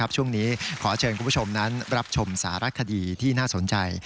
ช่วงนี้ขอเชิญคุณผู้ชมนั้นรับชมสารคดีที่น่าสนใจ